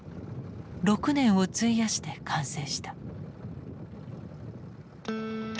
６年を費やして完成した。